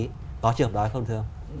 có trường hợp đó hay không thưa ông